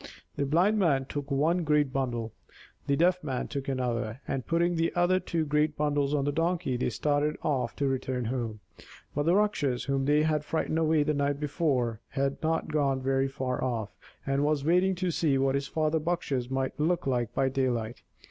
The Blind Man took one great bundle, the Deaf Man took another, and, putting the other two great bundles on the Donkey, they started off to return home. But the Rakshas, whom they had frightened away the night before, had not gone very far off, and was waiting to see what his father Bakshas might look like by daylight.